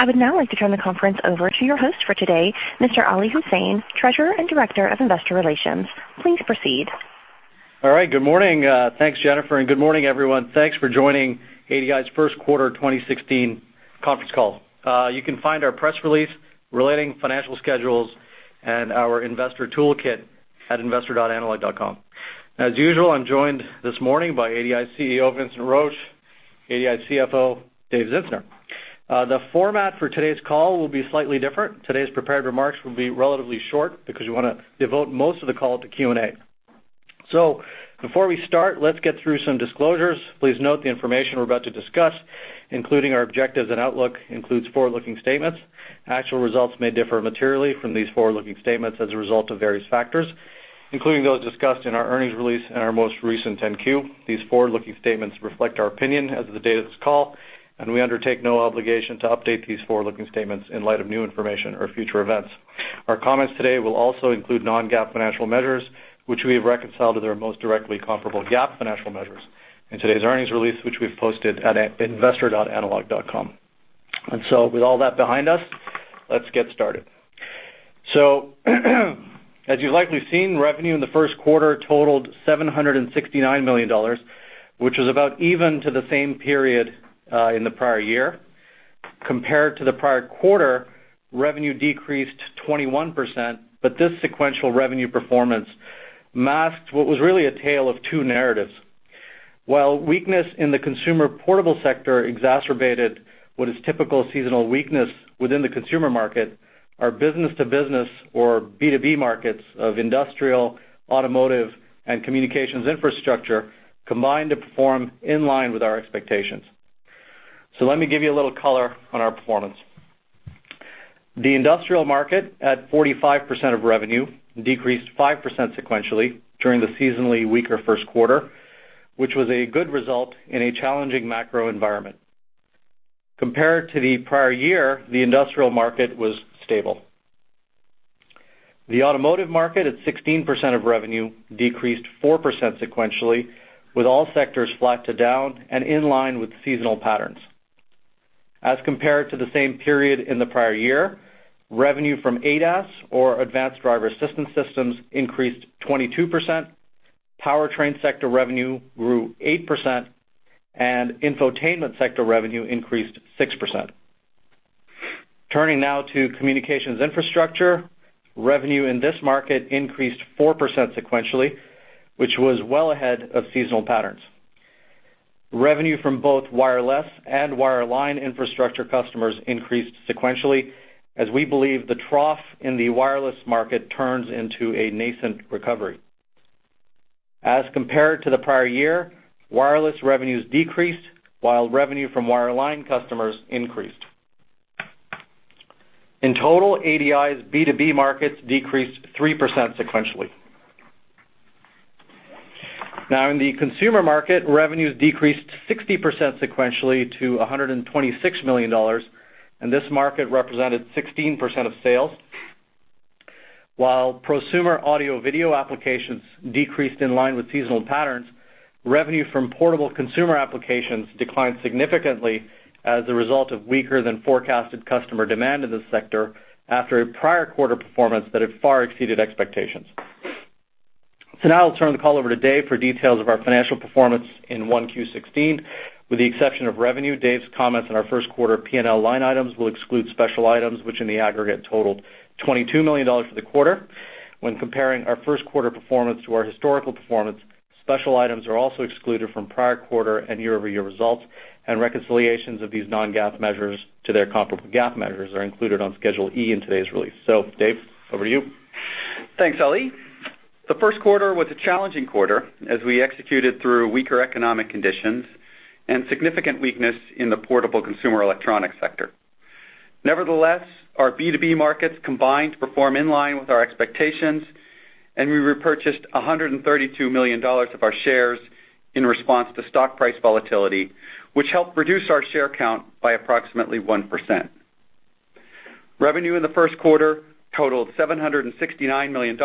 I would now like to turn the conference over to your host for today, Mr. Ali Husain, Treasurer and Director of Investor Relations. Please proceed. Good morning. Thanks, Jennifer, and good morning, everyone. Thanks for joining ADI's first quarter 2016 conference call. You can find our press release relating financial schedules and our investor toolkit at investor.analog.com. As usual, I'm joined this morning by ADI's CEO, Vincent Roche, ADI's CFO, David Zinsner. The format for today's call will be slightly different. Today's prepared remarks will be relatively short because we want to devote most of the call to Q&A. Before we start, let's get through some disclosures. Please note the information we're about to discuss, including our objectives and outlook, includes forward-looking statements. Actual results may differ materially from these forward-looking statements as a result of various factors, including those discussed in our earnings release and our most recent 10-Q. These forward-looking statements reflect our opinion as of the date of this call. We undertake no obligation to update these forward-looking statements in light of new information or future events. Our comments today will also include non-GAAP financial measures, which we have reconciled to their most directly comparable GAAP financial measures in today's earnings release, which we've posted at investor.analog.com. With all that behind us, let's get started. As you've likely seen, revenue in the first quarter totaled $769 million, which is about even to the same period in the prior year. Compared to the prior quarter, revenue decreased 21%, but this sequential revenue performance masks what was really a tale of two narratives. While weakness in the consumer portable sector exacerbated what is typical seasonal weakness within the consumer market, our business-to-business, or B2B, markets of industrial, automotive, and communications infrastructure combined to perform in line with our expectations. Let me give you a little color on our performance. The industrial market, at 45% of revenue, decreased 5% sequentially during the seasonally weaker first quarter, which was a good result in a challenging macro environment. Compared to the prior year, the industrial market was stable. The automotive market, at 16% of revenue, decreased 4% sequentially, with all sectors flat to down and in line with seasonal patterns. As compared to the same period in the prior year, revenue from ADAS, or advanced driver assistance systems, increased 22%, powertrain sector revenue grew 8%, and infotainment sector revenue increased 6%. Turning now to communications infrastructure, revenue in this market increased 4% sequentially, which was well ahead of seasonal patterns. Revenue from both wireless and wireline infrastructure customers increased sequentially as we believe the trough in the wireless market turns into a nascent recovery. As compared to the prior year, wireless revenues decreased while revenue from wireline customers increased. In total, ADI's B2B markets decreased 3% sequentially. In the consumer market, revenues decreased 60% sequentially to $126 million, and this market represented 16% of sales. While prosumer audio-video applications decreased in line with seasonal patterns, revenue from portable consumer applications declined significantly as a result of weaker than forecasted customer demand in this sector after a prior quarter performance that had far exceeded expectations. Now I'll turn the call over to Dave for details of our financial performance in 1Q16. With the exception of revenue, Dave's comments on our first quarter P&L line items will exclude special items, which in the aggregate totaled $22 million for the quarter. When comparing our first quarter performance to our historical performance, special items are also excluded from prior quarter and year-over-year results, and reconciliations of these non-GAAP measures to their comparable GAAP measures are included on Schedule E in today's release. Dave, over to you. Thanks, Ali. The first quarter was a challenging quarter as we executed through weaker economic conditions and significant weakness in the portable consumer electronics sector. Nevertheless, our B2B markets combined to perform in line with our expectations, and we repurchased $132 million of our shares in response to stock price volatility, which helped reduce our share count by approximately 1%. Revenue in the first quarter totaled $769 million,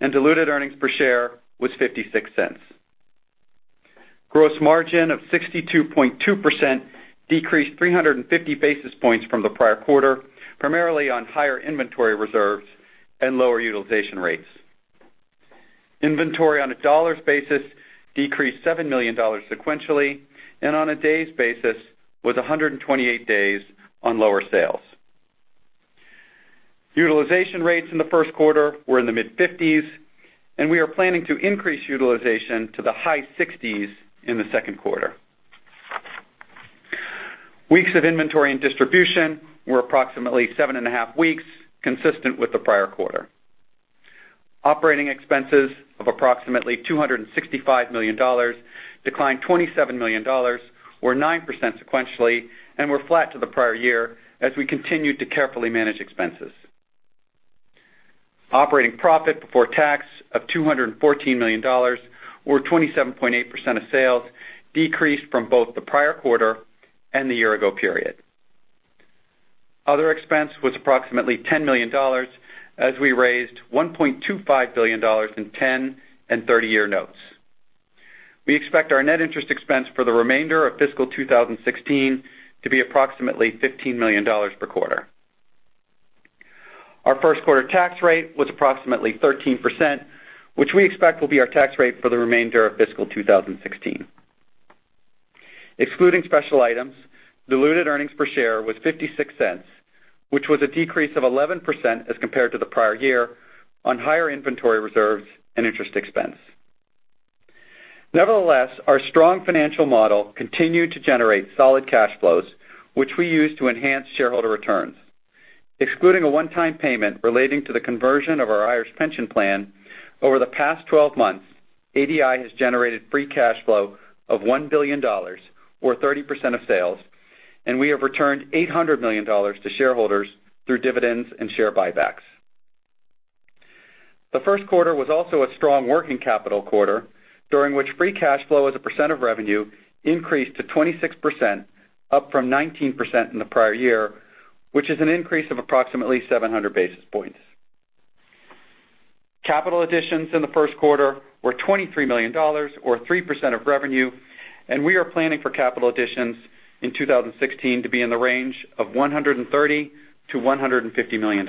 and diluted earnings per share was $0.56. Gross margin of 62.2% decreased 350 basis points from the prior quarter, primarily on higher inventory reserves and lower utilization rates. Inventory on a dollars basis decreased $7 million sequentially, and on a days basis, was 128 days on lower sales. Utilization rates in the first quarter were in the mid-50s, and we are planning to increase utilization to the high 60s in the second quarter. Weeks of inventory and distribution were approximately seven and a half weeks, consistent with the prior quarter. Operating expenses of approximately $265 million, declined $27 million or 9% sequentially, and were flat to the prior year as we continued to carefully manage expenses. Operating profit before tax of $214 million, or 27.8% of sales, decreased from both the prior quarter and the year-ago period. Other expense was approximately $10 million, as we raised $1.25 billion in 10 and 30-year notes. We expect our net interest expense for the remainder of fiscal 2016 to be approximately $15 million per quarter. Our first quarter tax rate was approximately 13%, which we expect will be our tax rate for the remainder of fiscal 2016. Excluding special items, diluted earnings per share was $0.56, which was a decrease of 11% as compared to the prior year on higher inventory reserves and interest expense. Nevertheless, our strong financial model continued to generate solid cash flows, which we used to enhance shareholder returns. Excluding a one-time payment relating to the conversion of our Irish pension plan, over the past 12 months, ADI has generated free cash flow of $1 billion, or 30% of sales, and we have returned $800 million to shareholders through dividends and share buybacks. The first quarter was also a strong working capital quarter, during which free cash flow as a percent of revenue increased to 26%, up from 19% in the prior year, which is an increase of approximately 700 basis points. Capital additions in the first quarter were $23 million, or 3% of revenue, and we are planning for capital additions in 2016 to be in the range of $130 million-$150 million.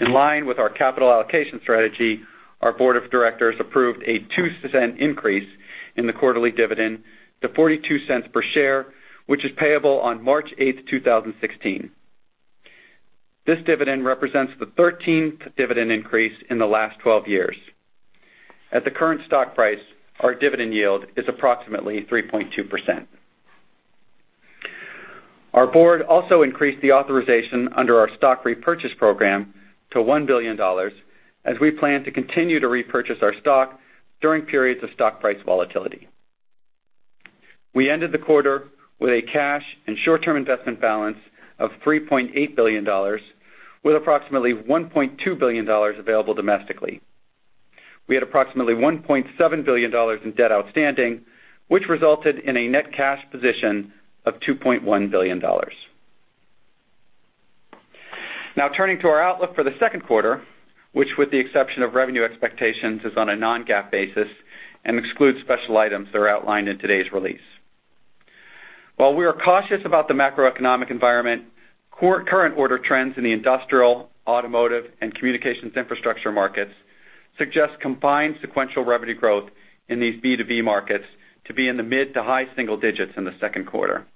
In line with our capital allocation strategy, our board of directors approved a $0.02 increase in the quarterly dividend to $0.42 per share, which is payable on March 8th, 2016. This dividend represents the 13th dividend increase in the last 12 years. At the current stock price, our dividend yield is approximately 3.2%. Our board also increased the authorization under our stock repurchase program to $1 billion as we plan to continue to repurchase our stock during periods of stock price volatility. We ended the quarter with a cash and short-term investment balance of $3.8 billion, with approximately $1.2 billion available domestically. We had approximately $1.7 billion in debt outstanding, which resulted in a net cash position of $2.1 billion. Now turning to our outlook for the second quarter, which with the exception of revenue expectations, is on a non-GAAP basis and excludes special items that are outlined in today's release. While we are cautious about the macroeconomic environment, current order trends in the industrial, automotive, and communications infrastructure markets suggest combined sequential revenue growth in these B2B markets to be in the mid to high single digits in the second quarter.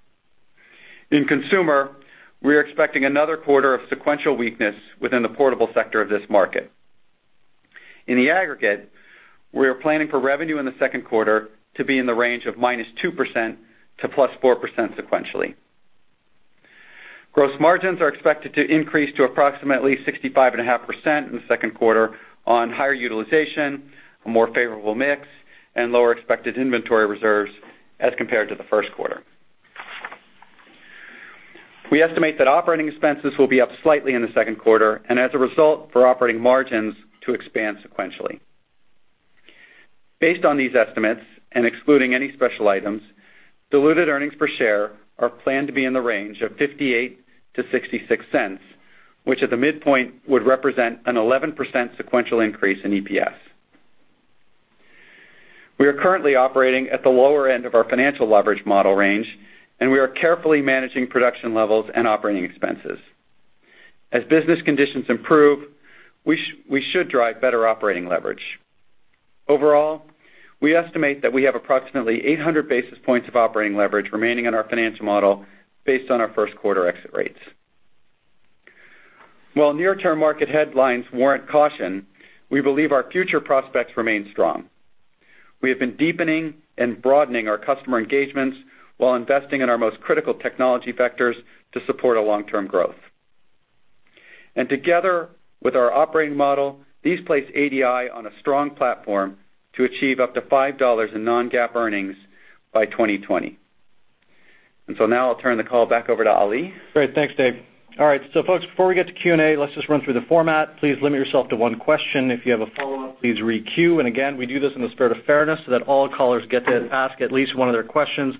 In consumer, we are expecting another quarter of sequential weakness within the portable sector of this market. In the aggregate, we are planning for revenue in the second quarter to be in the range of -2% to +4% sequentially. Gross margins are expected to increase to approximately 65.5% in the second quarter on higher utilization, a more favorable mix, and lower expected inventory reserves as compared to the first quarter. We estimate that operating expenses will be up slightly in the second quarter, as a result, for operating margins to expand sequentially. Based on these estimates, excluding any special items, diluted earnings per share are planned to be in the range of $0.58-$0.66, which at the midpoint, would represent an 11% sequential increase in EPS. We are currently operating at the lower end of our financial leverage model range, we are carefully managing production levels and operating expenses. As business conditions improve, we should drive better operating leverage. Overall, we estimate that we have approximately 800 basis points of operating leverage remaining in our financial model based on our first quarter exit rates. While near-term market headlines warrant caution, we believe our future prospects remain strong. We have been deepening and broadening our customer engagements while investing in our most critical technology vectors to support our long-term growth. Together with our operating model, these place ADI on a strong platform to achieve up to $5 in non-GAAP earnings by 2020. Now I'll turn the call back over to Ali. Great. Thanks, Dave. All right, folks, before we get to Q&A, let's just run through the format. Please limit yourself to one question. If you have a follow-up, please re-queue. Again, we do this in the spirit of fairness so that all callers get to ask at least one of their questions.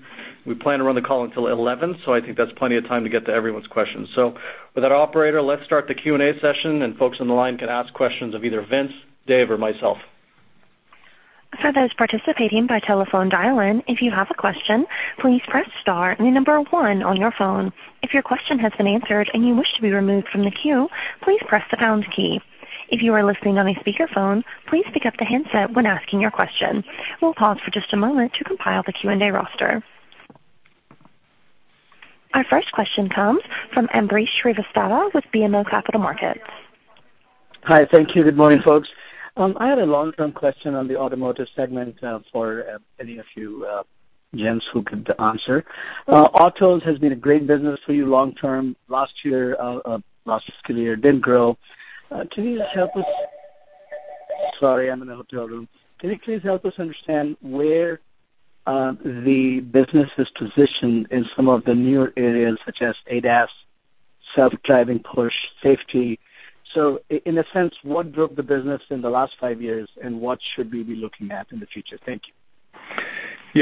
We plan to run the call until 11, I think that's plenty of time to get to everyone's questions. With that, operator, let's start the Q&A session, and folks on the line can ask questions of either Vince, Dave, or myself. For those participating by telephone dial-in, if you have a question, please press star and the number one on your phone. If your question has been answered and you wish to be removed from the queue, please press the pound key. If you are listening on a speakerphone, please pick up the handset when asking your question. We'll pause for just a moment to compile the Q&A roster. Our first question comes from Ambrish Srivastava with BMO Capital Markets. Hi. Thank you. Good morning, folks. I had a long-term question on the automotive segment for any of you gents who could answer. Autos has been a great business for you long term. Last year, last fiscal year, it didn't grow. Sorry, I'm in a hotel room. Can you please help us understand where the business is positioned in some of the newer areas such as ADAS, self-driving cars, safety? In a sense, what drove the business in the last five years, and what should we be looking at in the future? Thank you.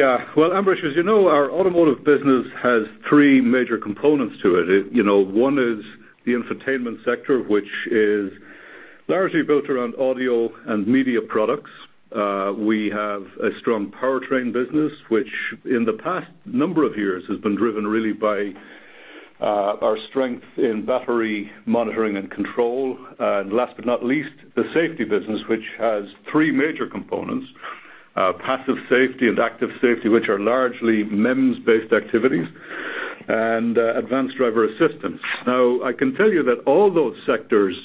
Yeah. Well, Ambrish, as you know, our automotive business has three major components to it. One is the infotainment sector, which is Largely built around audio and media products. We have a strong powertrain business, which in the past number of years has been driven really by our strength in battery monitoring and control. Last but not least, the safety business, which has three major components, passive safety and active safety, which are largely MEMS-based activities, and advanced driver assistance. I can tell you that all those sectors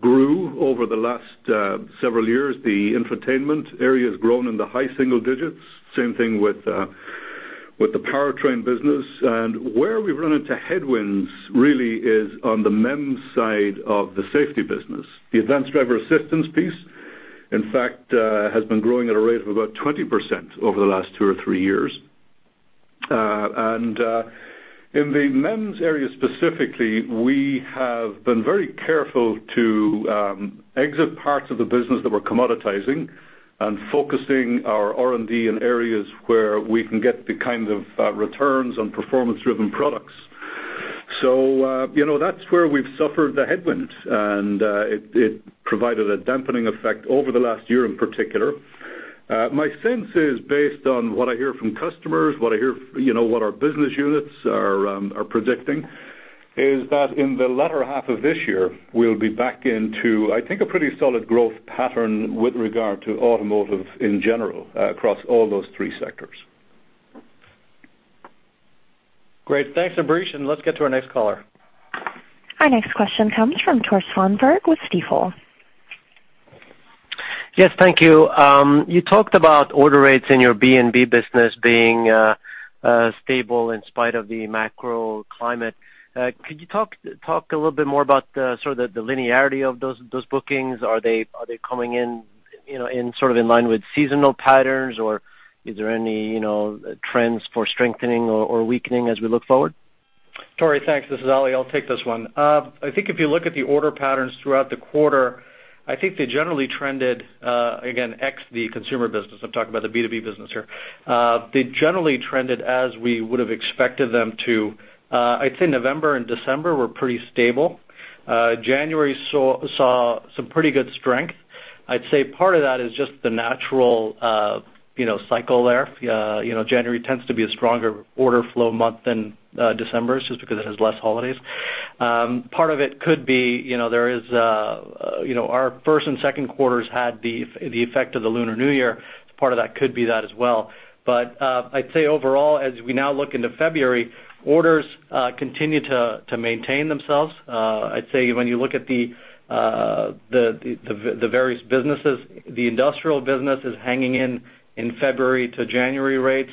grew over the last several years. The infotainment area has grown in the high single digits. Same thing with the powertrain business. Where we've run into headwinds really is on the MEMS side of the safety business. The advanced driver assistance piece, in fact, has been growing at a rate of about 20% over the last two or three years. In the MEMS area specifically, we have been very careful to exit parts of the business that we're commoditizing and focusing our R&D in areas where we can get the kind of returns on performance-driven products. That's where we've suffered the headwinds, and it provided a dampening effect over the last year in particular. My sense is, based on what I hear from customers, what our business units are predicting, is that in the latter half of this year, we'll be back into, I think, a pretty solid growth pattern with regard to automotive in general across all those three sectors. Great. Thanks, Ambrish, let's get to our next caller. Our next question comes from Tore Svanberg with Stifel. Yes, thank you. You talked about order rates in your B2B business being stable in spite of the macro climate. Could you talk a little bit more about the linearity of those bookings? Are they coming in line with seasonal patterns, or is there any trends for strengthening or weakening as we look forward? Tore, thanks. This is Ali. I'll take this one. I think if you look at the order patterns throughout the quarter, I think they generally trended, again, X the consumer business, I'm talking about the B2B business here. They generally trended as we would've expected them to. I'd say November and December were pretty stable. January saw some pretty good strength. I'd say part of that is just the natural cycle there. January tends to be a stronger order flow month than December, just because it has less holidays. Part of it could be our first and second quarters had the effect of the Lunar New Year. Part of that could be that as well. I'd say overall, as we now look into February, orders continue to maintain themselves. I'd say when you look at the various businesses, the industrial business is hanging in in February to January rates.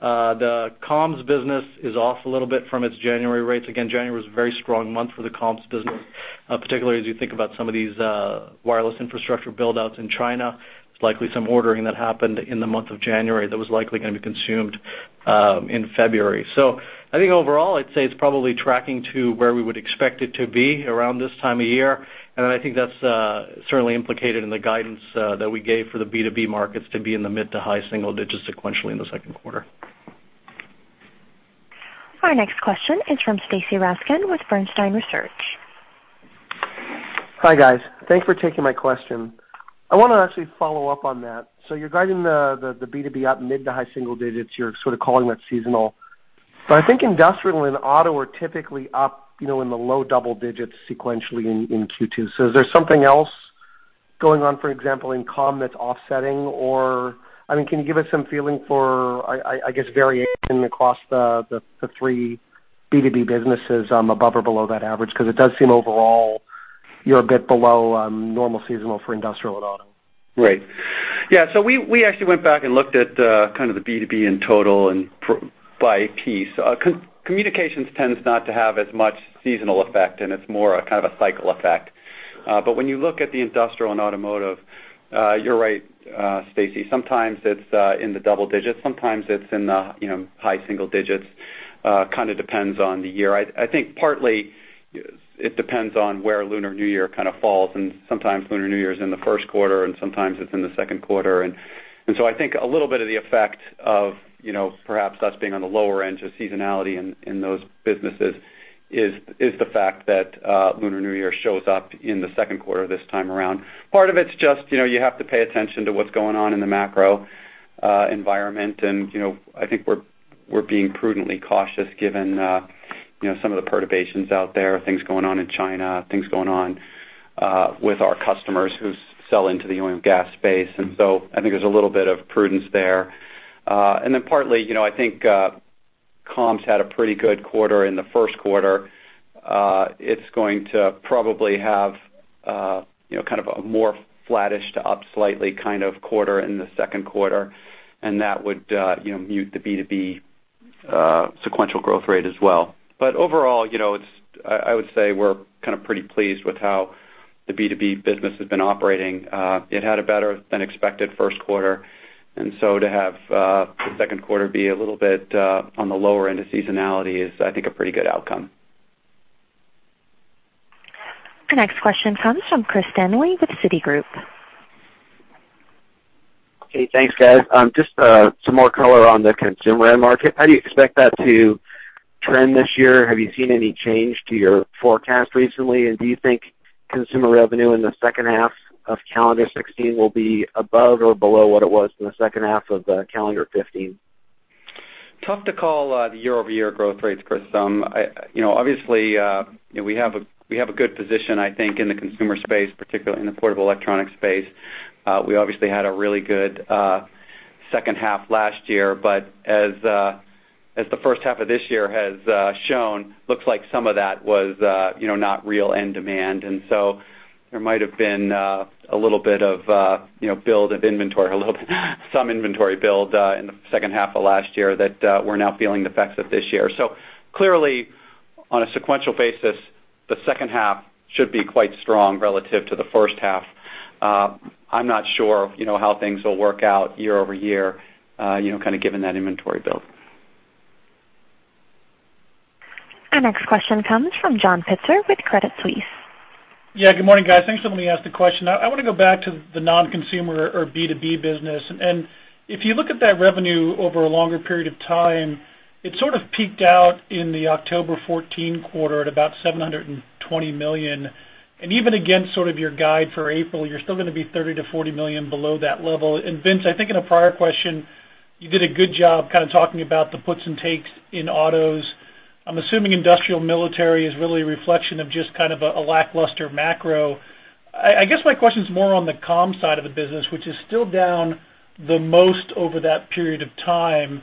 The comms business is off a little bit from its January rates. Again, January was a very strong month for the comms business, particularly as you think about some of these wireless infrastructure build-outs in China. There's likely some ordering that happened in the month of January that was likely going to be consumed in February. I think overall, I'd say it's probably tracking to where we would expect it to be around this time of year, and then I think that's certainly implicated in the guidance that we gave for the B2B markets to be in the mid to high single digits sequentially in the second quarter. Our next question is from Stacy Rasgon with Bernstein Research. Hi, guys. Thanks for taking my question. I want to actually follow up on that. You're guiding the B2B up mid to high single digits. You're sort of calling that seasonal. I think industrial and auto are typically up in the low double digits sequentially in Q2. Is there something else going on, for example, in comm that's offsetting? Can you give us some feeling for, I guess, variation across the three B2B businesses above or below that average? It does seem overall you're a bit below normal seasonal for industrial and auto. Right. Yeah, we actually went back and looked at the B2B in total and by piece. Communications tends not to have as much seasonal effect, and it's more a kind of a cycle effect. When you look at the industrial and automotive, you're right, Stacy, sometimes it's in the double digits, sometimes it's in the high single digits. Kind of depends on the year. I think partly it depends on where Lunar New Year kind of falls, and sometimes Lunar New Year is in the first quarter, and sometimes it's in the second quarter. I think a little bit of the effect of perhaps us being on the lower end of seasonality in those businesses is the fact that Lunar New Year shows up in the second quarter this time around. Part of it's just you have to pay attention to what's going on in the macro environment, and I think we're being prudently cautious given some of the perturbations out there, things going on in China, things going on with our customers who sell into the oil and gas space. I think there's a little bit of prudence there. Partly, I think comms had a pretty good quarter in the first quarter. It's going to probably have a more flattish to up slightly kind of quarter in the second quarter, and that would mute the B2B sequential growth rate as well. Overall, I would say we're kind of pretty pleased with how the B2B business has been operating. It had a better than expected first quarter, to have the second quarter be a little bit on the lower end of seasonality is, I think, a pretty good outcome. Our next question comes from Christopher Danely with Citigroup. Hey, thanks, guys. Just some more color on the consumer end market. How do you expect that to trend this year? Have you seen any change to your forecast recently? Do you think consumer revenue in the second half of calendar 2016 will be above or below what it was in the second half of calendar 2015? Tough to call the year-over-year growth rates, Chris. Obviously, we have a good position, I think, in the consumer space, particularly in the portable electronics space. We obviously had a really good second half last year. As the first half of this year has shown, looks like some of that was not real end demand. There might have been a little bit of build of inventory, a little some inventory build in the second half of last year that we're now feeling the effects of this year. Clearly, on a sequential basis, the second half should be quite strong relative to the first half. I'm not sure how things will work out year-over-year, kind of given that inventory build. Our next question comes from John Pitzer with Credit Suisse. Yeah, good morning, guys. Thanks for letting me ask the question. I want to go back to the non-consumer or B2B business. If you look at that revenue over a longer period of time, it sort of peaked out in the October 2014 quarter at about $720 million. Even against sort of your guide for April, you're still going to be $30 million-$40 million below that level. Vince, I think in a prior question, you did a good job kind of talking about the puts and takes in autos. I'm assuming industrial military is really a reflection of just kind of a lackluster macro. My question is more on the comms side of the business, which is still down the most over that period of time.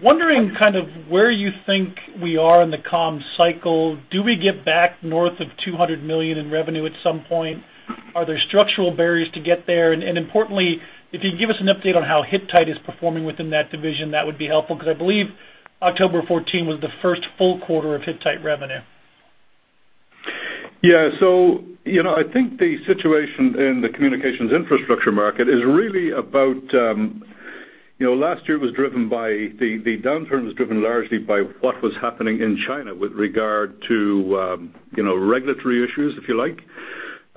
Wondering kind of where you think we are in the comms cycle. Do we get back north of $200 million in revenue at some point? Are there structural barriers to get there? Importantly, if you could give us an update on how Hittite is performing within that division, that would be helpful, because I believe October 2014 was the first full quarter of Hittite revenue. Yeah. I think the situation in the communications infrastructure market is really about, last year the downturn was driven largely by what was happening in China with regard to regulatory issues, if you like.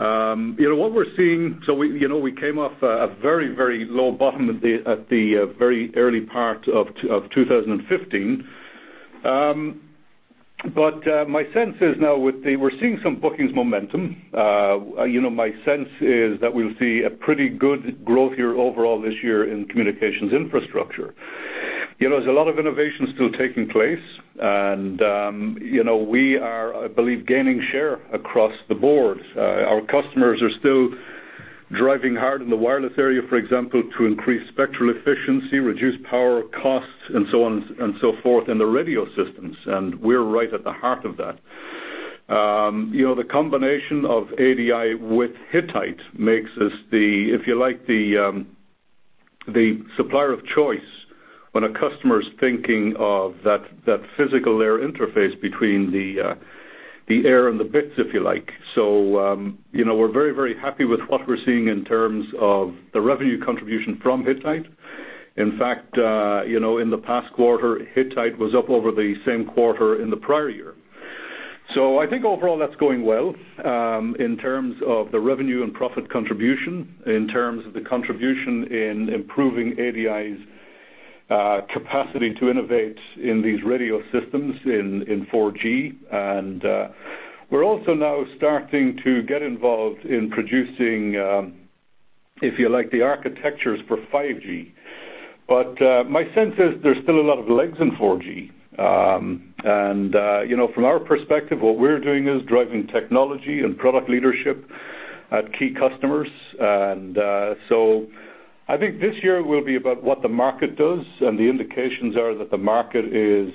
What we're seeing, we came off a very low bottom at the very early part of 2015. My sense is now, we're seeing some bookings momentum. My sense is that we'll see a pretty good growth year overall this year in communications infrastructure. There's a lot of innovation still taking place, and we are, I believe, gaining share across the board. Our customers are still driving hard in the wireless area, for example, to increase spectral efficiency, reduce power costs, and so on and so forth in the radio systems, and we're right at the heart of that. The combination of ADI with Hittite makes us the, if you like, the supplier of choice when a customer's thinking of that physical layer interface between the air and the bits, if you like. We're very happy with what we're seeing in terms of the revenue contribution from Hittite. In fact, in the past quarter, Hittite was up over the same quarter in the prior year. I think overall that's going well, in terms of the revenue and profit contribution, in terms of the contribution in improving ADI's capacity to innovate in these radio systems in 4G. We're also now starting to get involved in producing, if you like, the architectures for 5G. My sense is there's still a lot of legs in 4G. From our perspective, what we're doing is driving technology and product leadership at key customers. I think this year will be about what the market does, and the indications are that the market is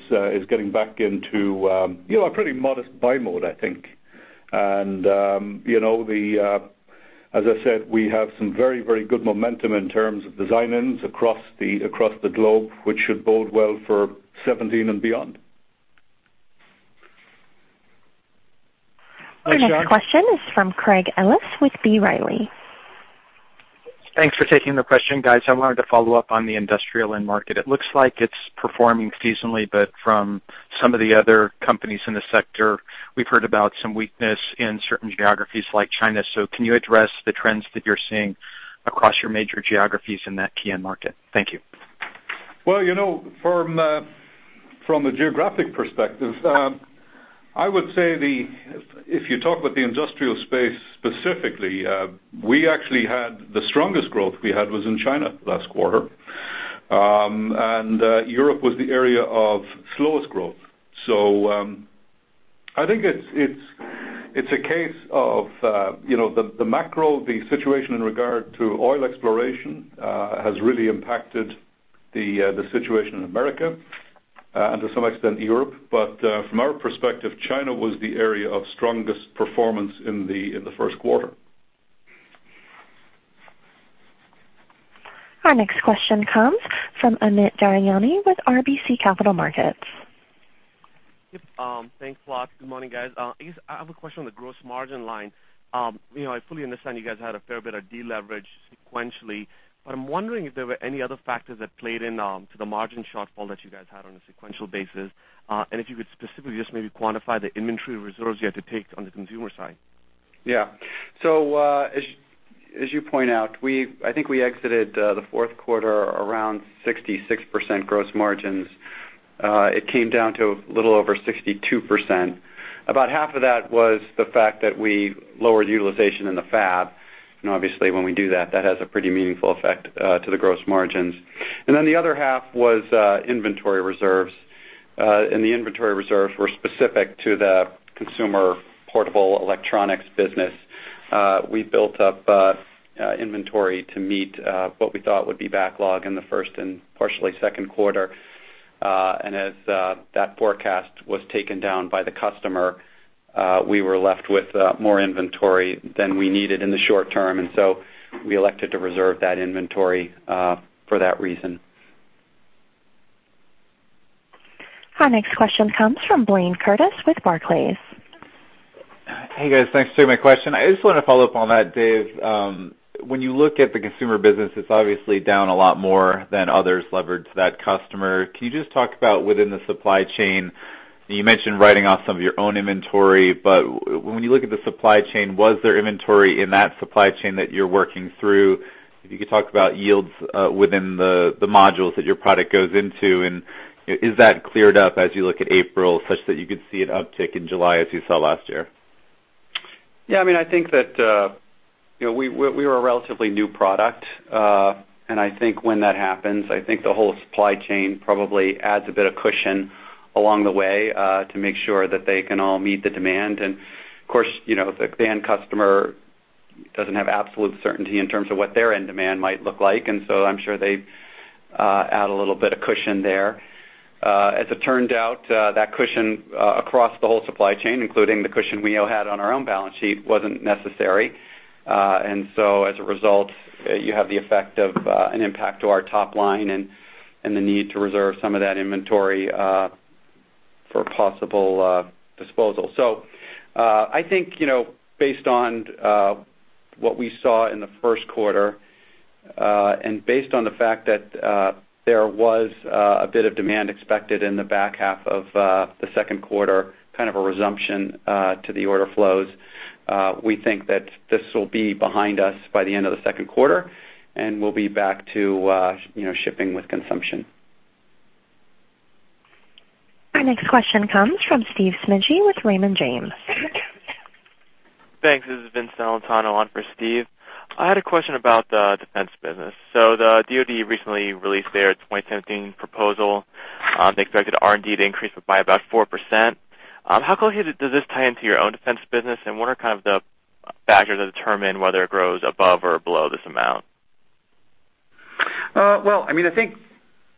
getting back into a pretty modest buy mode, I think. As I said, we have some very good momentum in terms of design-ins across the globe, which should bode well for 2017 and beyond. Thanks, John. Our next question is from Craig Ellis with B. Riley. Thanks for taking the question, guys. I wanted to follow up on the industrial end market. It looks like it's performing seasonally, but from some of the other companies in the sector, we've heard about some weakness in certain geographies like China. Can you address the trends that you're seeing across your major geographies in that key end market? Thank you. Well, from a geographic perspective, I would say if you talk about the industrial space specifically, the strongest growth we had was in China last quarter, and Europe was the area of slowest growth. I think it's a case of the macro, the situation in regard to oil exploration, has really impacted the situation in America, and to some extent Europe. From our perspective, China was the area of strongest performance in the first quarter. Our next question comes from Amit Daryanani with RBC Capital Markets. Yep. Thanks a lot. Good morning, guys. I guess I have a question on the gross margin line. I fully understand you guys had a fair bit of deleverage sequentially, but I'm wondering if there were any other factors that played into the margin shortfall that you guys had on a sequential basis. If you could specifically just maybe quantify the inventory reserves you had to take on the consumer side. As you point out, I think we exited the fourth quarter around 66% gross margins. It came down to a little over 62%. About half of that was the fact that we lowered utilization in the fab, and obviously when we do that has a pretty meaningful effect to the gross margins. The other half was inventory reserves, and the inventory reserves were specific to the consumer portable electronics business. We built up inventory to meet what we thought would be backlog in the first and partially second quarter. As that forecast was taken down by the customer, we were left with more inventory than we needed in the short term, we elected to reserve that inventory for that reason. Our next question comes from Blayne Curtis with Barclays. Hey, guys. Thanks for taking my question. I just want to follow up on that, Dave. When you look at the consumer business, it's obviously down a lot more than others levered to that customer. Can you just talk about within the supply chain, you mentioned writing off some of your own inventory, when you look at the supply chain, was there inventory in that supply chain that you're working through? If you could talk about yields within the modules that your product goes into, is that cleared up as you look at April, such that you could see an uptick in July as you saw last year? Yeah, I think that we were a relatively new product, I think when that happens, I think the whole supply chain probably adds a bit of cushion along the way, to make sure that they can all meet the demand. Of course, the end customer doesn't have absolute certainty in terms of what their end demand might look like, I'm sure they add a little bit of cushion there. As it turned out, that cushion across the whole supply chain, including the cushion we all had on our own balance sheet, wasn't necessary. As a result, you have the effect of an impact to our top line and the need to reserve some of that inventory for possible disposal. I think, based on what we saw in the first quarter, and based on the fact that there was a bit of demand expected in the back half of the second quarter, kind of a resumption to the order flows, we think that this will be behind us by the end of the second quarter, and we'll be back to shipping with consumption. Our next question comes from Steve Smigie with Raymond James. Thanks. This is Vince Celentano on for Steve. I had a question about the defense business. The DoD recently released their 2017 proposal. They expected R&D to increase by about 4%. How closely does this tie into your own defense business, and what are the factors that determine whether it grows above or below this amount? I think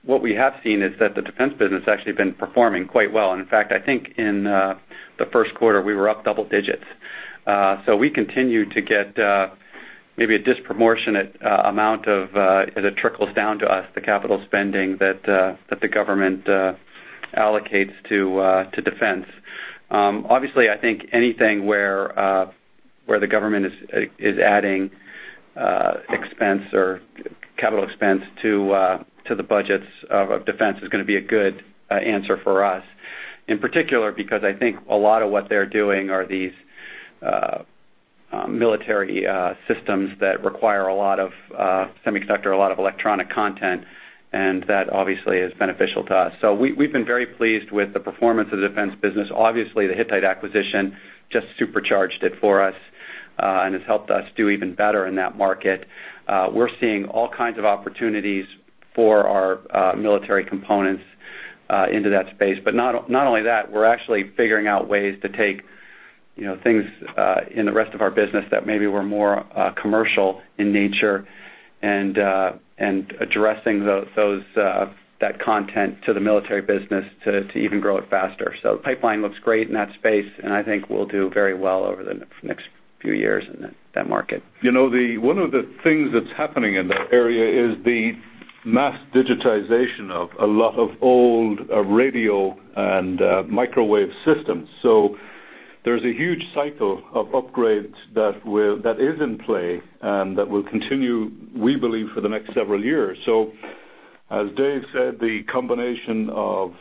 what we have seen is that the defense business has actually been performing quite well. In fact, I think in the first quarter, we were up double digits. We continue to get maybe a disproportionate amount of, as it trickles down to us, the capital spending that the government allocates to defense. Obviously, I think anything where the government is adding expense or capital expense to the budgets of defense is going to be a good answer for us. In particular, because I think a lot of what they're doing are these military systems that require a lot of semiconductor, a lot of electronic content, and that obviously is beneficial to us. We've been very pleased with the performance of the defense business. Obviously, the Hittite acquisition just supercharged it for us, and it's helped us do even better in that market. We're seeing all kinds of opportunities for our military components into that space. Not only that, we're actually figuring out ways to take things in the rest of our business that maybe were more commercial in nature, and addressing that content to the military business to even grow it faster. The pipeline looks great in that space, and I think we'll do very well over the next few years in that market. One of the things that's happening in that area is the mass digitization of a lot of old radio and microwave systems. There's a huge cycle of upgrades that is in play and that will continue, we believe, for the next several years. As Dave said, the combination of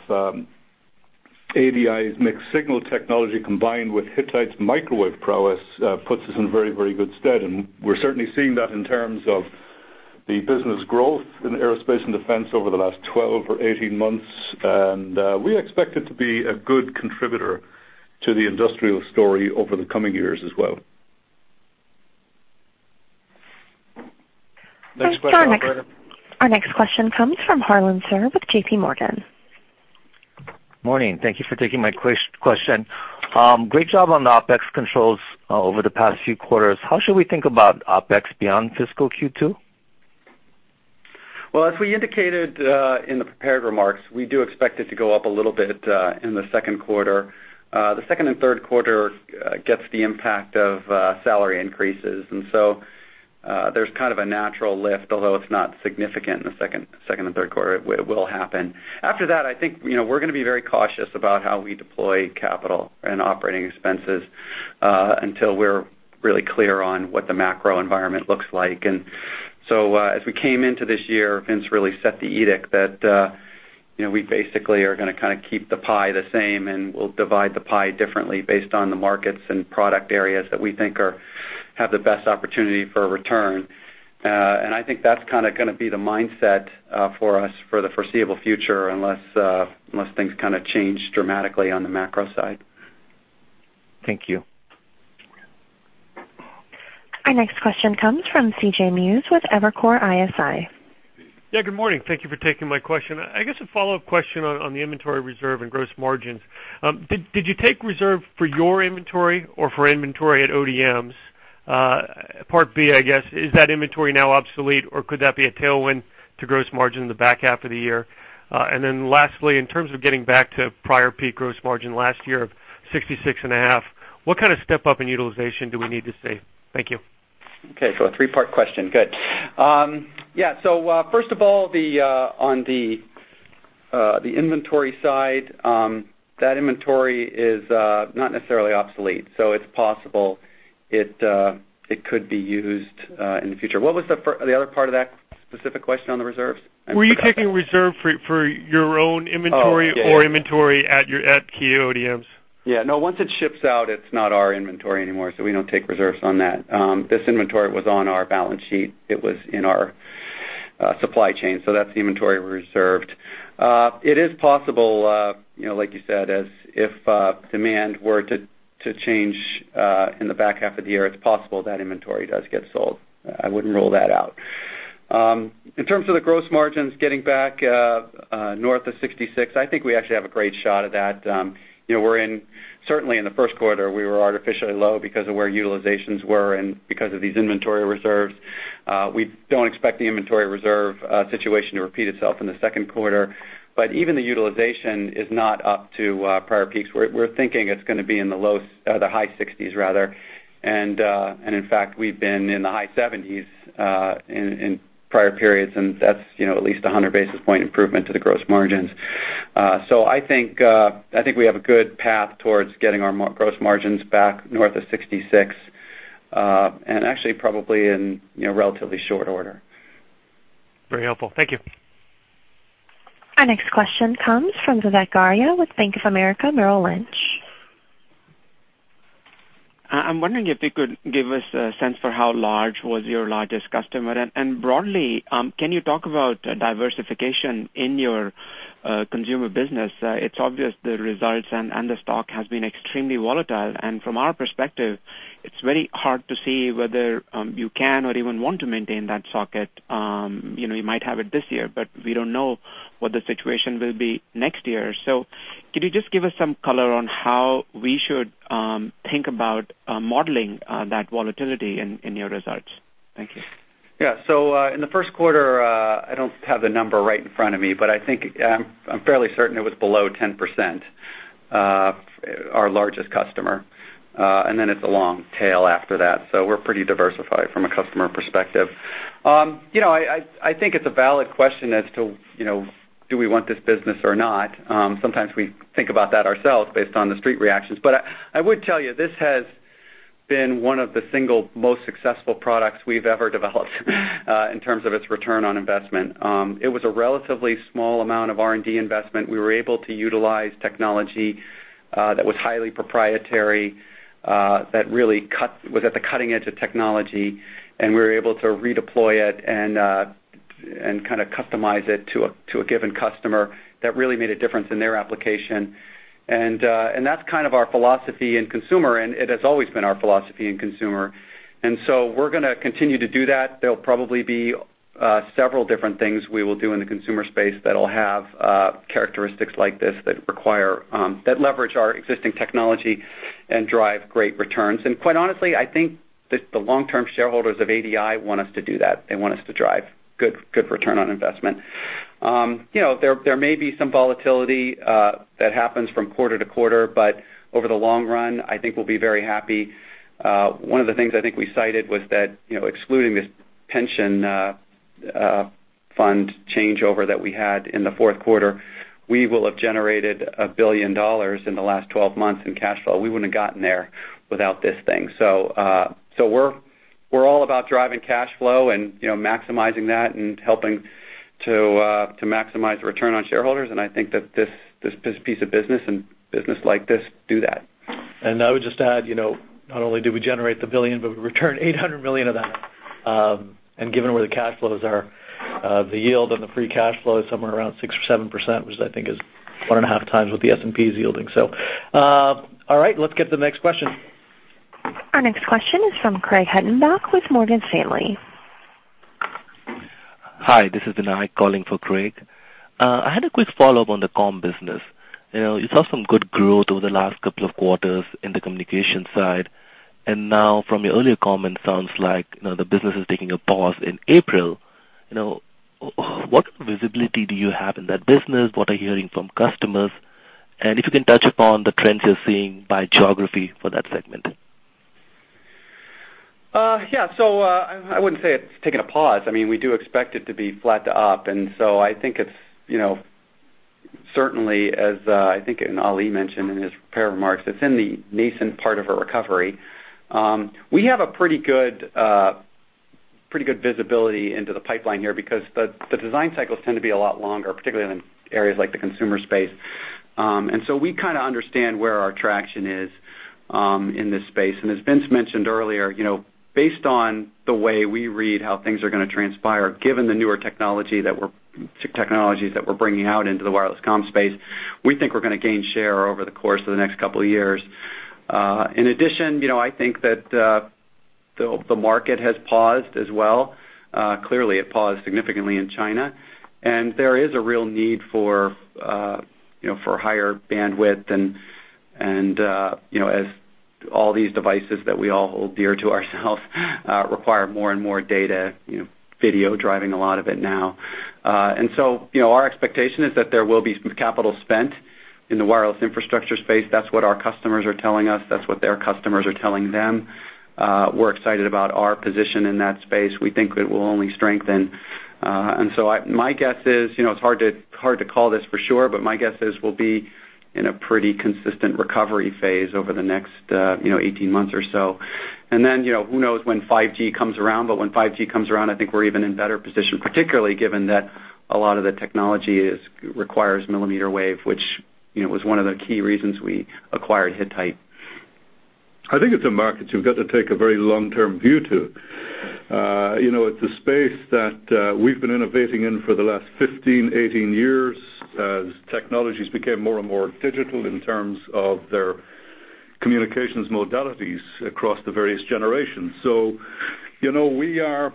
ADI's mixed signal technology combined with Hittite's microwave prowess puts us in very, very good stead, and we're certainly seeing that in terms of the business growth in aerospace and defense over the last 12 or 18 months. We expect it to be a good contributor to the industrial story over the coming years as well. Next question, operator. Our next question comes from Harlan Sur with J.P. Morgan. Morning. Thank you for taking my question. Great job on the OpEx controls over the past few quarters. How should we think about OpEx beyond fiscal Q2? Well, as we indicated in the prepared remarks, we do expect it to go up a little bit in the second quarter. The second and third quarter gets the impact of salary increases, so there's kind of a natural lift, although it's not significant in the second and third quarter, it will happen. After that, I think, we're going to be very cautious about how we deploy capital and operating expenses, until we're really clear on what the macro environment looks like. So as we came into this year, Vince really set the edict that we basically are going to keep the pie the same, and we'll divide the pie differently based on the markets and product areas that we think have the best opportunity for a return. I think that's going to be the mindset for us for the foreseeable future, unless things change dramatically on the macro side. Thank you. Our next question comes from C.J. Muse with Evercore ISI. Yeah, good morning. Thank you for taking my question. I guess a follow-up question on the inventory reserve and gross margins. Did you take reserve for your inventory or for inventory at ODMs? Part B, I guess, is that inventory now obsolete, or could that be a tailwind to gross margin in the back half of the year? And then lastly, in terms of getting back to prior peak gross margin last year of 66 and a half, what kind of step-up in utilization do we need to see? Thank you. Okay, a three-part question. Good. Yeah. First of all, on the inventory side, that inventory is not necessarily obsolete, so it's possible it could be used in the future. What was the other part of that specific question on the reserves? I forgot that. Were you taking reserve for your own inventory- Oh, yeah. Inventory at key ODMs? Yeah, no, once it ships out, it's not our inventory anymore. We don't take reserves on that. This inventory was on our balance sheet. It was in our supply chain. That's the inventory we reserved. It is possible, like you said, as if demand were to change in the back half of the year, it's possible that inventory does get sold. I wouldn't rule that out. In terms of the gross margins getting back north of 66, I think we actually have a great shot at that. Certainly in the first quarter, we were artificially low because of where utilizations were and because of these inventory reserves. We don't expect the inventory reserve situation to repeat itself in the second quarter. Even the utilization is not up to prior peaks. We're thinking it's going to be in the high 60s. In fact, we've been in the high 70s in prior periods, and that's at least 100 basis point improvement to the gross margins. I think we have a good path towards getting our gross margins back north of 66, and actually probably in relatively short order. Very helpful. Thank you. Our next question comes from Vivek Arya with Bank of America Merrill Lynch. I'm wondering if you could give us a sense for how large was your largest customer. Broadly, can you talk about diversification in your consumer business? It's obvious the results and the stock has been extremely volatile, and from our perspective, it's very hard to see whether you can or even want to maintain that socket. You might have it this year, but we don't know what the situation will be next year. Can you just give us some color on how we should think about modeling that volatility in your results? Thank you. Yeah. In the first quarter, I don't have the number right in front of me, but I think I'm fairly certain it was below 10%, our largest customer, and then it's a long tail after that. We're pretty diversified from a customer perspective. I think it's a valid question as to, do we want this business or not? Sometimes we think about that ourselves based on the street reactions. I would tell you, this has been one of the single most successful products we've ever developed in terms of its return on investment. It was a relatively small amount of R&D investment. We were able to utilize technology that was highly proprietary, that really was at the cutting edge of technology, and we were able to redeploy it and customize it to a given customer that really made a difference in their application. That's kind of our philosophy in consumer, and it has always been our philosophy in consumer, and so we're going to continue to do that. There'll probably be several different things we will do in the consumer space that'll have characteristics like this that leverage our existing technology and drive great returns. Quite honestly, I think that the long-term shareholders of ADI want us to do that. They want us to drive good return on investment. There may be some volatility that happens from quarter to quarter, but over the long run, I think we'll be very happy. One of the things I think we cited was that excluding this pension fund changeover that we had in the fourth quarter, we will have generated $1 billion in the last 12 months in cash flow. We wouldn't have gotten there without this thing. We're all about driving cash flow and maximizing that and helping to maximize return on shareholders, and I think that this piece of business and business like this do that. I would just add, not only did we generate the $1 billion, but we returned $800 million of that. Given where the cash flows are, the yield and the free cash flow is somewhere around 6% or 7%, which I think is one and a half times what the S&P is yielding. All right, let's get the next question. Our next question is from Craig Hettenbach with Morgan Stanley. Hi, this is Vinay calling for Craig. I had a quick follow-up on the comm business. You saw some good growth over the last couple of quarters in the communication side. Now from your earlier comment, sounds like the business is taking a pause in April. What visibility do you have in that business? What are you hearing from customers? If you can touch upon the trends you're seeing by geography for that segment. Yeah. I wouldn't say it's taken a pause. We do expect it to be flat to up. Certainly, as I think Ali mentioned in his prepared remarks, it's in the nascent part of a recovery. We have a pretty good visibility into the pipeline here because the design cycles tend to be a lot longer, particularly in areas like the consumer space. We kind of understand where our traction is in this space. As Vince mentioned earlier, based on the way we read how things are going to transpire, given the newer technologies that we're bringing out into the wireless comm space, we think we're going to gain share over the course of the next couple of years. In addition, I think that the market has paused as well. Clearly, it paused significantly in China. There is a real need for higher bandwidth, and as all these devices that we all hold dear to ourselves require more and more data, video driving a lot of it now. Our expectation is that there will be some capital spent in the wireless infrastructure space. That's what our customers are telling us. That's what their customers are telling them. We're excited about our position in that space. We think it will only strengthen. My guess is, it's hard to call this for sure, but my guess is we'll be in a pretty consistent recovery phase over the next 18 months or so. Then, who knows when 5G comes around, but when 5G comes around, I think we're even in better position, particularly given that a lot of the technology requires millimeter wave, which was one of the key reasons we acquired Hittite. I think it's a market you've got to take a very long-term view to. It's a space that we've been innovating in for the last 15, 18 years as technologies became more and more digital in terms of their communications modalities across the various generations.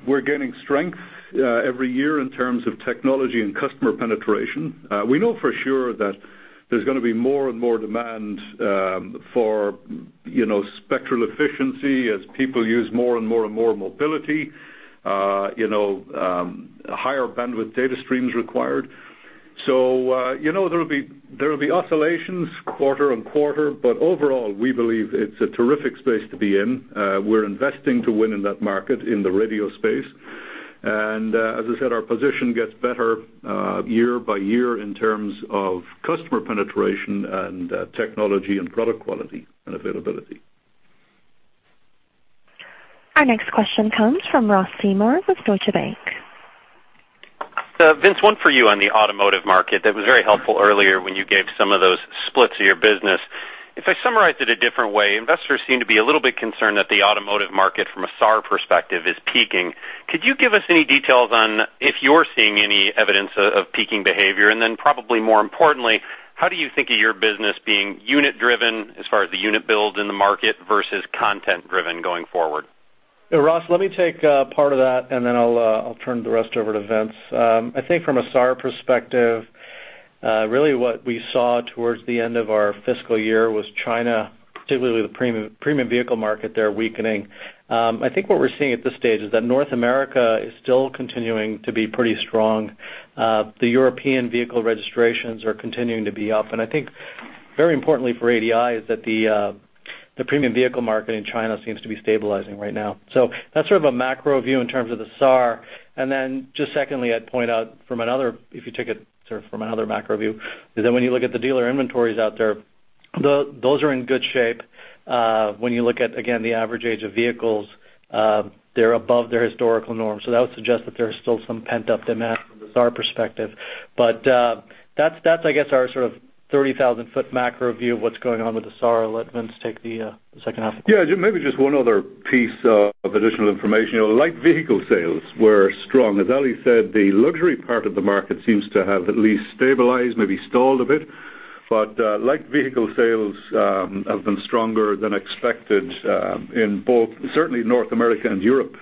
We're gaining strength every year in terms of technology and customer penetration. We know for sure that there's going to be more and more demand for spectral efficiency as people use more and more and more mobility, higher bandwidth data streams required. There will be oscillations quarter and quarter, but overall, we believe it's a terrific space to be in. We're investing to win in that market, in the radio space. As I said, our position gets better year by year in terms of customer penetration and technology and product quality and availability. Our next question comes from Ross Seymore with Deutsche Bank. Vince, one for you on the automotive market that was very helpful earlier when you gave some of those splits of your business. If I summarize it a different way, investors seem to be a little bit concerned that the automotive market from a SAAR perspective is peaking. Could you give us any details on if you're seeing any evidence of peaking behavior? Probably more importantly, how do you think of your business being unit driven as far as the unit build in the market versus content driven going forward? Yeah, Ross, let me take part of that, then I'll turn the rest over to Vince. I think from a SAAR perspective, really what we saw towards the end of our fiscal year was China, particularly the premium vehicle market there weakening. I think what we're seeing at this stage is that North America is still continuing to be pretty strong. The European vehicle registrations are continuing to be up, and I think very importantly for ADI is that the premium vehicle market in China seems to be stabilizing right now. That's sort of a macro view in terms of the SAAR. Just secondly, I'd point out from another, if you take it sort of from another macro view, is that when you look at the dealer inventories out there, those are in good shape. When you look at, again, the average age of vehicles, they're above their historical norm. That would suggest that there's still some pent-up demand from the SAAR perspective. That's I guess our sort of 30,000-foot macro view of what's going on with the SAAR. I'll let Vince take the second half. Light vehicle sales were strong. As Ali said, the luxury part of the market seems to have at least stabilized, maybe stalled a bit. Light vehicle sales have been stronger than expected in both, certainly North America and Europe.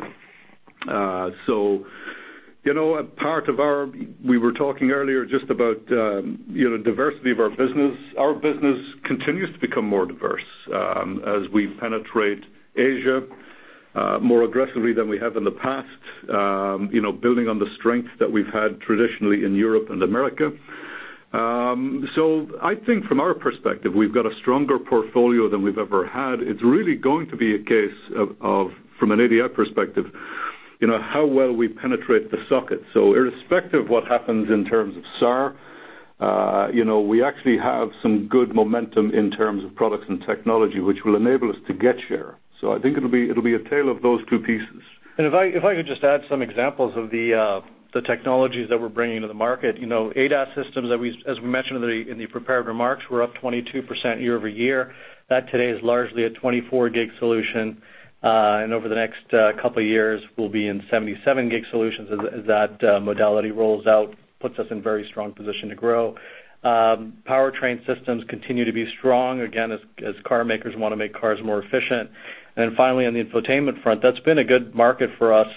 We were talking earlier just about diversity of our business. Our business continues to become more diverse as we penetrate Asia more aggressively than we have in the past, building on the strength that we've had traditionally in Europe and America. I think from our perspective, we've got a stronger portfolio than we've ever had. It's really going to be a case of, from an ADI perspective, how well we penetrate the socket. Irrespective of what happens in terms of SAAR, we actually have some good momentum in terms of products and technology, which will enable us to get share. I think it'll be a tale of those two pieces. If I could just add some examples of the technologies that we're bringing to the market. ADAS systems, as we mentioned in the prepared remarks, were up 22% year-over-year. That today is largely a 24 gig solution. Over the next couple of years, we'll be in 77 gig solutions as that modality rolls out, puts us in very strong position to grow. Powertrain systems continue to be strong, again, as car makers want to make cars more efficient. Finally, on the infotainment front, that's been a good market for us.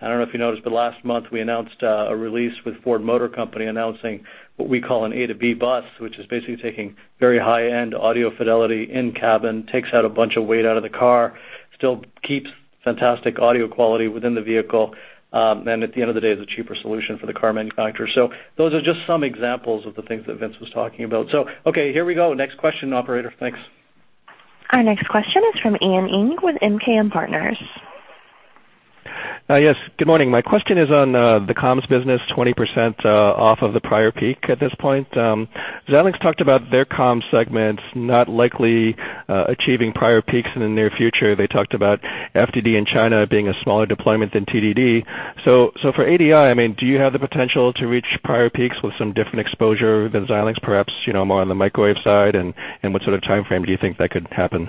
I don't know if you noticed, but last month we announced a release with Ford Motor Company announcing what we call an A2B BUS, which is basically taking very high-end audio fidelity in cabin, takes out a bunch of weight out of the car, still keeps fantastic audio quality within the vehicle. At the end of the day, it's a cheaper solution for the car manufacturer. Those are just some examples of the things that Vince was talking about. Okay, here we go. Next question, operator. Thanks. Our next question is from Ian Ing with MKM Partners. Yes. Good morning. My question is on the comms business, 20% off of the prior peak at this point. Xilinx talked about their comms segment not likely achieving prior peaks in the near future. They talked about FDD in China being a smaller deployment than TDD. For ADI, do you have the potential to reach prior peaks with some different exposure than Xilinx, perhaps more on the microwave side, and what sort of timeframe do you think that could happen?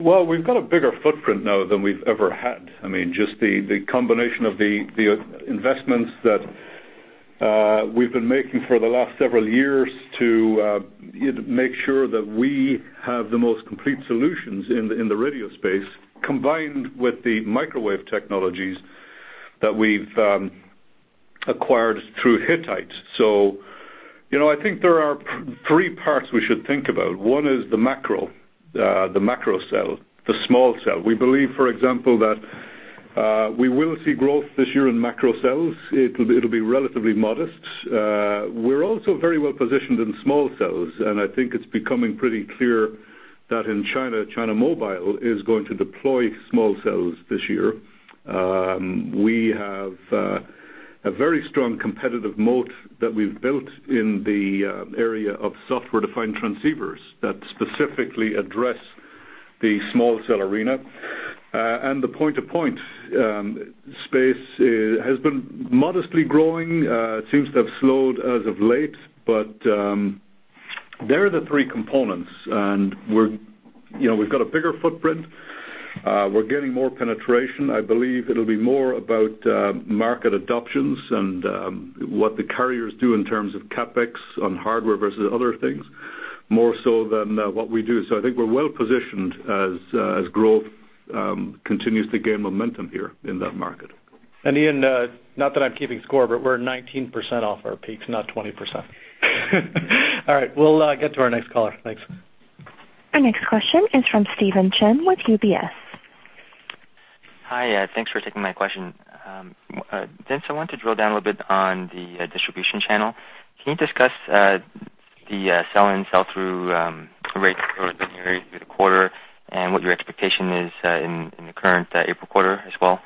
Well, we've got a bigger footprint now than we've ever had. Just the combination of the investments that we've been making for the last several years to make sure that we have the most complete solutions in the radio space, combined with the microwave technologies that we've acquired through Hittite. I think there are three parts we should think about. One is the macro cell, the small cell. We believe, for example, that we will see growth this year in macro cells. It'll be relatively modest. We're also very well positioned in small cells, and I think it's becoming pretty clear that in China Mobile is going to deploy small cells this year. We have a very strong competitive moat that we've built in the area of software-defined transceivers that specifically address the small cell arena. The point-to-point space has been modestly growing. It seems to have slowed as of late, they're the three components, and we've got a bigger footprint. We're getting more penetration. I believe it'll be more about market adoptions and what the carriers do in terms of CapEx on hardware versus other things, more so than what we do. I think we're well positioned as growth continues to gain momentum here in that market. Ian, not that I'm keeping score, but we're 19% off our peaks, not 20%. All right, we'll get to our next caller. Thanks. Our next question is from Stephen Chin with UBS. Hi. Thanks for taking my question. Vince, I wanted to drill down a little bit on the distribution channel. Can you discuss the sell and sell through rates over the quarter, and what your expectation is in the current April quarter as well?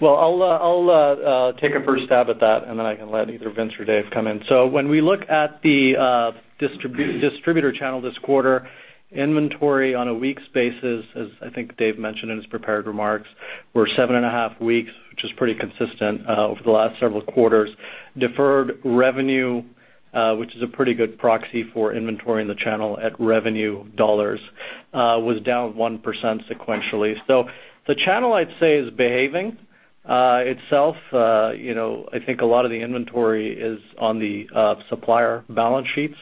Well, I'll take a first stab at that, then I can let either Vince or Dave come in. When we look at the distributor channel this quarter, inventory on a week's basis, as I think Dave mentioned in his prepared remarks, were seven and a half weeks, which is pretty consistent over the last several quarters. Deferred revenue, which is a pretty good proxy for inventory in the channel at revenue dollars, was down 1% sequentially. The channel, I'd say, is behaving itself. I think a lot of the inventory is on the supplier balance sheets.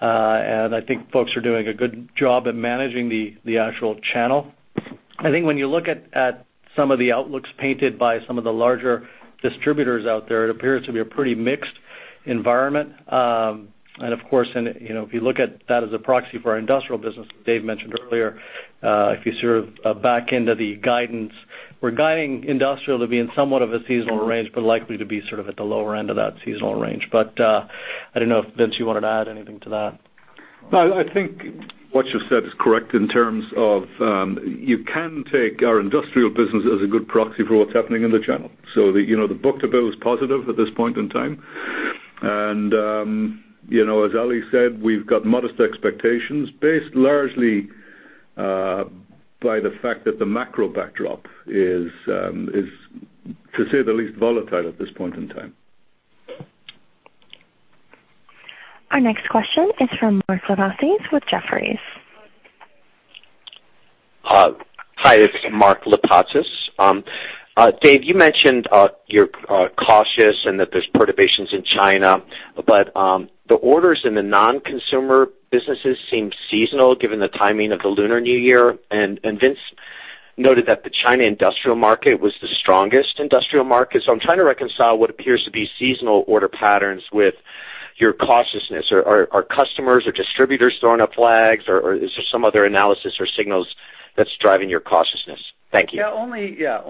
I think folks are doing a good job at managing the actual channel. I think when you look at some of the outlooks painted by some of the larger distributors out there, it appears to be a pretty mixed environment. Of course, if you look at that as a proxy for our industrial business, as Dave mentioned earlier, if you sort of back into the guidance, we're guiding industrial to be in somewhat of a seasonal range, likely to be sort of at the lower end of that seasonal range. I don't know if, Vince, you wanted to add anything to that. No, I think what you said is correct in terms of you can take our industrial business as a good proxy for what's happening in the channel. The book-to-bill is positive at this point in time. As Ali said, we've got modest expectations based largely by the fact that the macro backdrop is, to say the least, volatile at this point in time. Our next question is from Mark Lipacis with Jefferies. Hi, it's Mark Lipacis. Dave, you mentioned you're cautious and that there's perturbations in China. The orders in the non-consumer businesses seem seasonal given the timing of the Lunar New Year. Vince noted that the China industrial market was the strongest industrial market. I'm trying to reconcile what appears to be seasonal order patterns with your cautiousness. Are customers or distributors throwing up flags, or is there some other analysis or signals that's driving your cautiousness? Thank you. Yeah.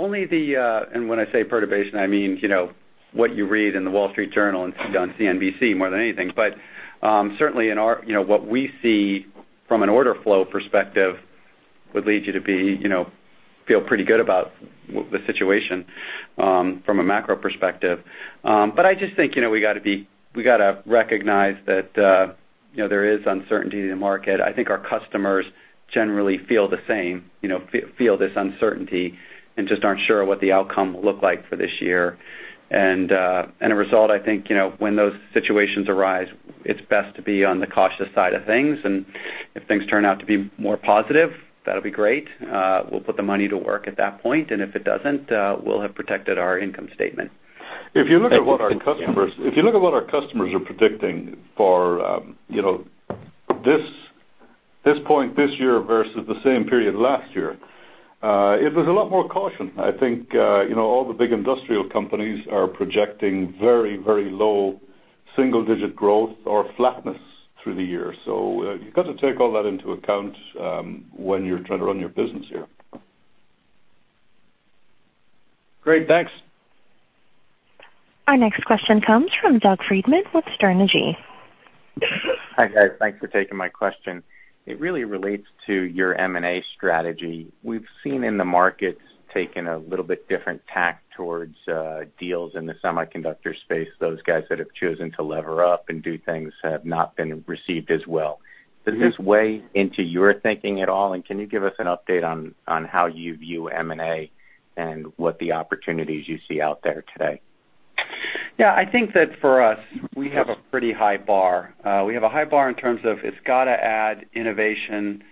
When I say perturbation, I mean what you read in The Wall Street Journal and on CNBC more than anything. Certainly in what we see from an order flow perspective would lead you to feel pretty good about the situation from a macro perspective. I just think we got to recognize that there is uncertainty in the market. I think our customers generally feel the same, feel this uncertainty, and just aren't sure what the outcome will look like for this year. A result, I think, when those situations arise, it's best to be on the cautious side of things, and if things turn out to be more positive, that'll be great. We'll put the money to work at that point, and if it doesn't, we'll have protected our income statement. Thank you. If you look at what our customers are predicting for this point this year versus the same period last year, it was a lot more caution. I think all the big industrial companies are projecting very low single-digit growth or flatness through the year. You've got to take all that into account when you're trying to run your business here. Great. Thanks. Our next question comes from Doug Freedman with Sterne Agee. Hi guys. Thanks for taking my question. It really relates to your M&A strategy. We've seen in the markets taken a little bit different tact towards deals in the semiconductor space. Those guys that have chosen to lever up and do things have not been received as well. Does this weigh into your thinking at all, and can you give us an update on how you view M&A and what the opportunities you see out there today? Yeah. I think that for us, we have a pretty high bar. We have a high bar in terms of it's got to add innovation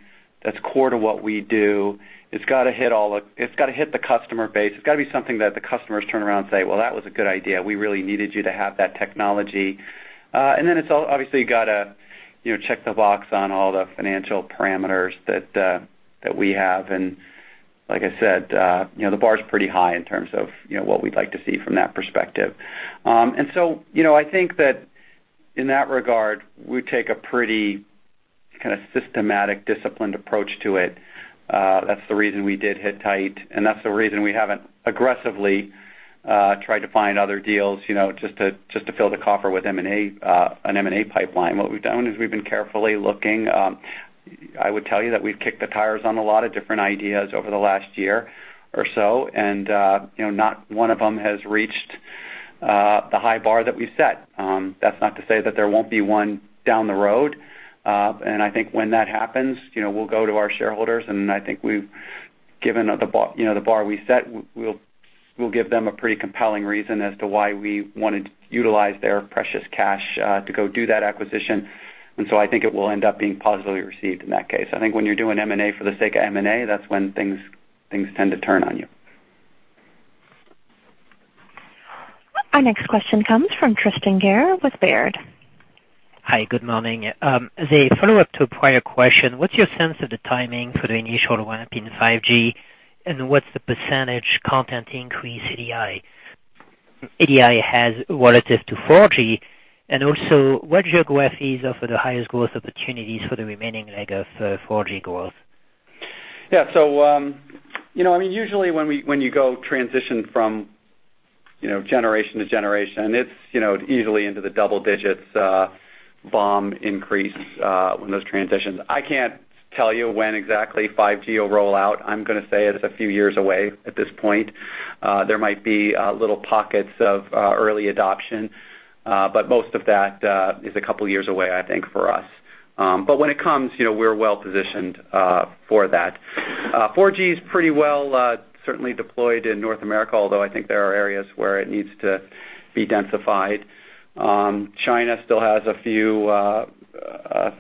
that's core to what we do. It's got to hit the customer base. It's got to be something that the customers turn around and say, "Well, that was a good idea. We really needed you to have that technology." Then obviously, you got to check the box on all the financial parameters that we have. Like I said, the bar's pretty high in terms of what we'd like to see from that perspective. So, I think that in that regard, we take a pretty systematic, disciplined approach to it. That's the reason we did Hittite, and that's the reason we haven't aggressively tried to find other deals, just to fill the coffer with an M&A pipeline. What we've done is we've been carefully looking. I would tell you that we've kicked the tires on a lot of different ideas over the last year or so, not one of them has reached the high bar that we've set. That's not to say that there won't be one down the road. I think when that happens, we'll go to our shareholders, and I think we've given the bar we've set, we'll give them a pretty compelling reason as to why we wanted to utilize their precious cash, to go do that acquisition. I think it will end up being positively received in that case. I think when you're doing M&A for the sake of M&A, that's when things tend to turn on you. Our next question comes from Tristan Gerra with Baird. Hi, good morning. As a follow-up to a prior question, what's your sense of the timing for the initial ramp in 5G, and what's the percentage content increase ADI has relative to 4G? Also, what geographies offer the highest growth opportunities for the remaining leg of 4G growth? Yeah. Usually when you go transition from generation to generation, it's easily into the double digits, BOM increase, in those transitions. I can't tell you when exactly 5G will roll out. I'm going to say it is a few years away at this point. There might be little pockets of early adoption. Most of that is a couple of years away, I think, for us. When it comes, we're well-positioned for that. 4G is pretty well certainly deployed in North America, although I think there are areas where it needs to be densified. China still has a few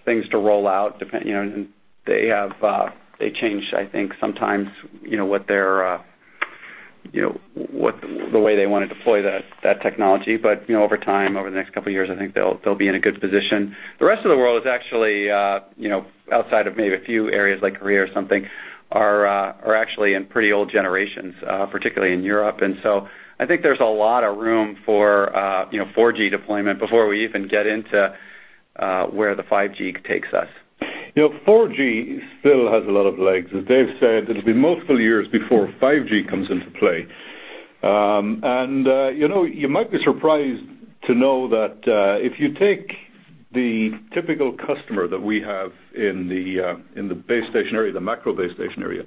things to roll out, depending, they change, I think, sometimes, the way they want to deploy that technology. Over time, over the next couple of years, I think they'll be in a good position. The rest of the world is actually, outside of maybe a few areas like Korea or something, are actually in pretty old generations, particularly in Europe. I think there's a lot of room for 4G deployment before we even get into where the 5G takes us. 4G still has a lot of legs. As Dave said, it'll be multiple years before 5G comes into play. You might be surprised to know that if you take the typical customer that we have in the base station area, the macro base station area,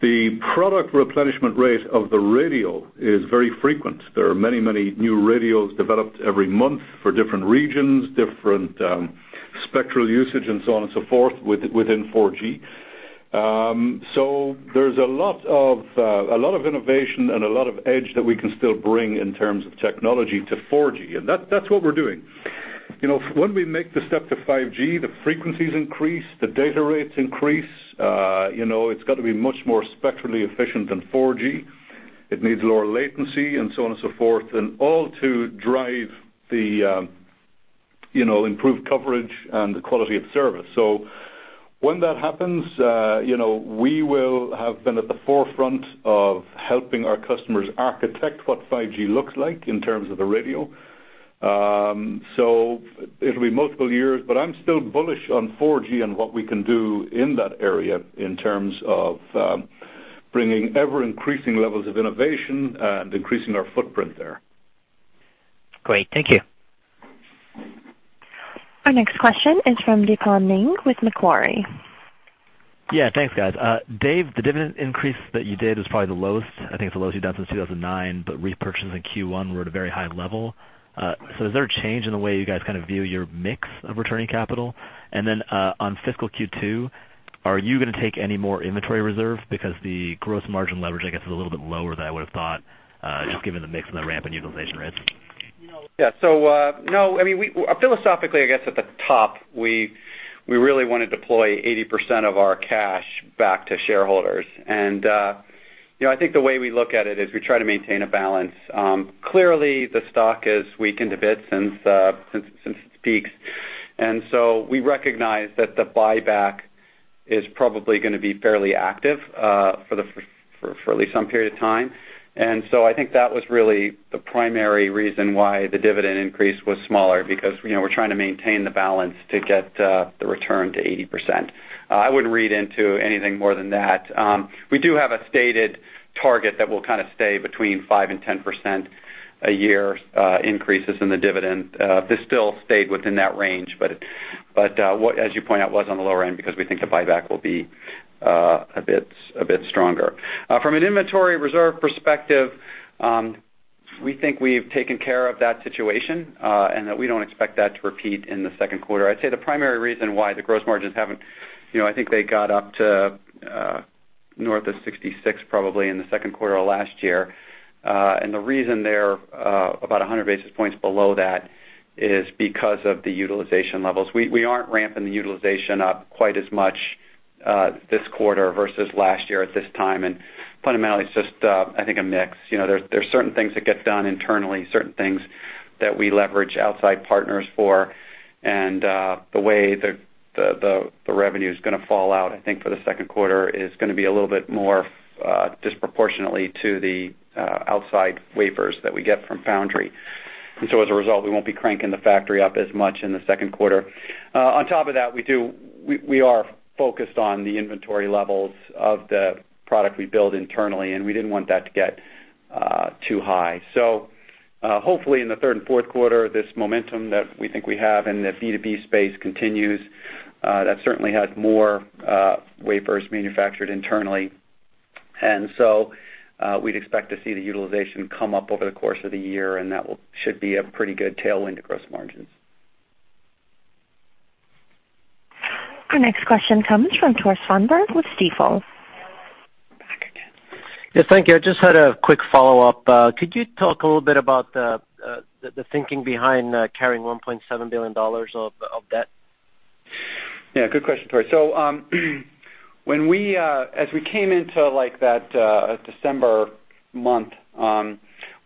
the product replenishment rate of the radio is very frequent. There are many new radios developed every month for different regions, different spectral usage, and so on and so forth, within 4G. There's a lot of innovation and a lot of edge that we can still bring in terms of technology to 4G, and that's what we're doing. When we make the step to 5G, the frequencies increase, the data rates increase. It's got to be much more spectrally efficient than 4G. It needs lower latency and so on and so forth, and all to drive the improved coverage and the quality of service. When that happens, we will have been at the forefront of helping our customers architect what 5G looks like in terms of the radio. It'll be multiple years, but I'm still bullish on 4G and what we can do in that area in terms of bringing ever-increasing levels of innovation and increasing our footprint there. Great. Thank you. Our next question is from Deepon Nag with Macquarie. Yeah. Thanks, guys. Dave, the dividend increase that you did was probably the lowest, I think it's the lowest you've done since 2009. Repurchase in Q1 were at a very high level. Is there a change in the way you guys view your mix of returning capital? On fiscal Q2, are you going to take any more inventory reserve? The gross margin leverage, I guess, is a little bit lower than I would've thought, just given the mix and the ramp in utilization rates. Yeah. Philosophically, I guess at the top, we really want to deploy 80% of our cash back to shareholders. I think the way we look at it is we try to maintain a balance. Clearly, the stock has weakened a bit since its peaks. We recognize that the buyback is probably gonna be fairly active for at least some period of time. I think that was really the primary reason why the dividend increase was smaller because we're trying to maintain the balance to get the return to 80%. I wouldn't read into anything more than that. We do have a stated target that will kind of stay between 5% and 10% a year increases in the dividend. This still stayed within that range. What, as you point out, was on the lower end because we think the buyback will be a bit stronger. From an inventory reserve perspective, we think we've taken care of that situation and that we don't expect that to repeat in the second quarter. I'd say the primary reason why the gross margins haven't I think they got up to north of 66 probably in the second quarter of last year. The reason they're about 100 basis points below that is because of the utilization levels. We aren't ramping the utilization up quite as much this quarter versus last year at this time, and fundamentally it's just, I think, a mix. There's certain things that get done internally, certain things that we leverage outside partners for. The way the revenue's going to fall out, I think, for the second quarter is going to be a little bit more disproportionately to the outside wafers that we get from foundry. As a result, we won't be cranking the factory up as much in the second quarter. On top of that, we are focused on the inventory levels of the product we build internally, and we didn't want that to get too high. Hopefully, in the third and fourth quarter, this momentum that we think we have in the B2B space continues. That certainly had more wafers manufactured internally. We'd expect to see the utilization come up over the course of the year, and that should be a pretty good tailwind to gross margins. Our next question comes from Tore Svanberg with Stifel. Back again. Yes, thank you. I just had a quick follow-up. Could you talk a little bit about the thinking behind carrying $1.7 billion of debt? Yeah, good question, Tore. As we came into that December month,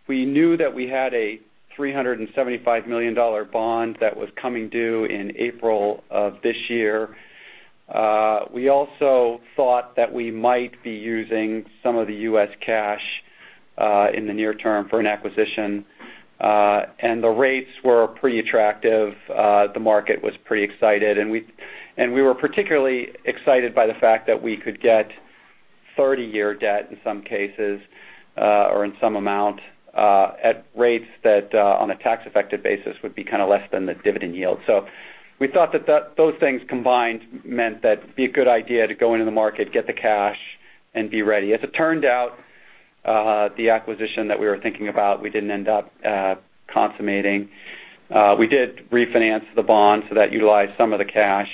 we knew that we had a $375 million bond that was coming due in April of this year. We also thought that we might be using some of the U.S. cash in the near term for an acquisition. The rates were pretty attractive, the market was pretty excited, and we were particularly excited by the fact that we could get 30-year debt in some cases, or in some amount, at rates that, on a tax-effective basis, would be kind of less than the dividend yield. We thought that those things combined meant that it'd be a good idea to go into the market, get the cash, and be ready. As it turned out, the acquisition that we were thinking about, we didn't end up consummating. We did refinance the bond, that utilized some of the cash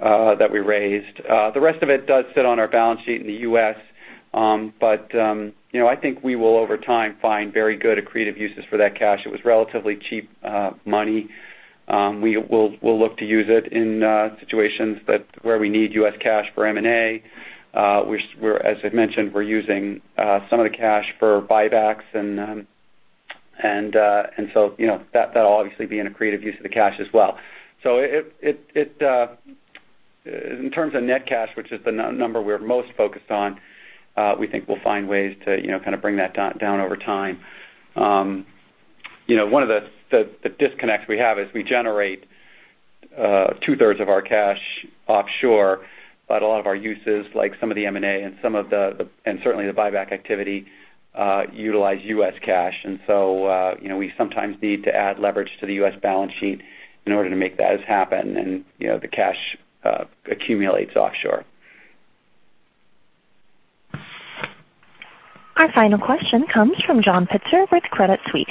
that we raised. The rest of it does sit on our balance sheet in the U.S., but I think we will, over time, find very good accretive uses for that cash. It was relatively cheap money. We'll look to use it in situations where we need U.S. cash for M&A. As I mentioned, we're using some of the cash for buybacks, that'll obviously be an accretive use of the cash as well. In terms of net cash, which is the number we're most focused on, we think we'll find ways to kind of bring that down over time. One of the disconnects we have is we generate two-thirds of our cash offshore, but a lot of our uses, like some of the M&A and certainly the buyback activity, utilize U.S. cash. We sometimes need to add leverage to the U.S. balance sheet in order to make those happen, the cash accumulates offshore. Our final question comes from John Pitzer with Credit Suisse.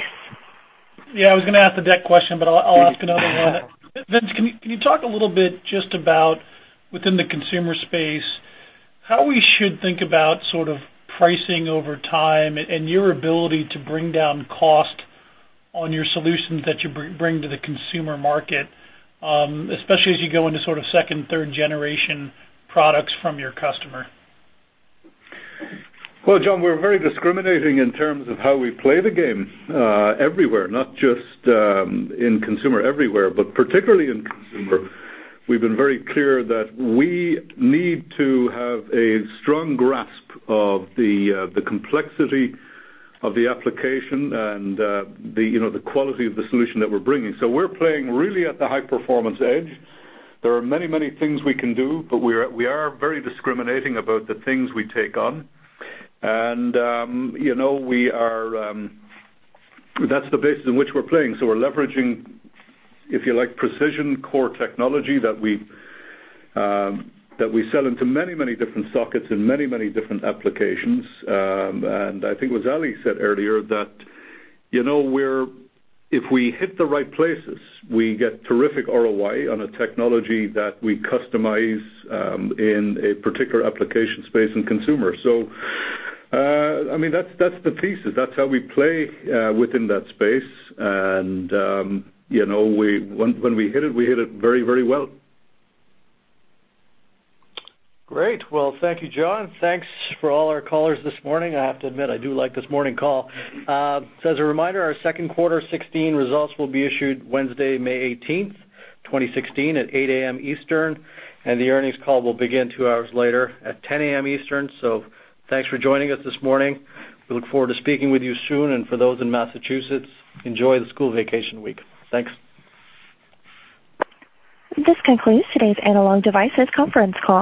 Yeah, I was going to ask the debt question, but I'll ask another one. Vince, can you talk a little bit just about, within the consumer space, how we should think about sort of pricing over time and your ability to bring down cost on your solutions that you bring to the consumer market, especially as you go into sort of second, third-generation products from your customer? Well, John, we're very discriminating in terms of how we play the game, everywhere, not just in consumer, everywhere, but particularly in consumer. We've been very clear that we need to have a strong grasp of the complexity of the application and the quality of the solution that we're bringing. We're playing really at the high-performance edge. There are many, many things we can do, but we are very discriminating about the things we take on. That's the basis in which we're playing. We're leveraging, if you like, precision core technology that we sell into many, many different sockets and many, many different applications. I think it was Ali said earlier that if we hit the right places, we get terrific ROI on a technology that we customize in a particular application space in consumer. That's the thesis. That's how we play within that space. When we hit it, we hit it very, very well. Great. Well, thank you, John. Thanks for all our callers this morning. I have to admit, I do like this morning call. As a reminder, our second quarter 2016 results will be issued Wednesday, May 18th, 2016, at 8:00 A.M. Eastern. The earnings call will begin two hours later at 10:00 A.M. Eastern. Thanks for joining us this morning. We look forward to speaking with you soon. For those in Massachusetts, enjoy the school vacation week. Thanks. This concludes today's Analog Devices conference call.